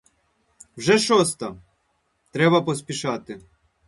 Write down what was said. Вже шоста, — треба поспішати.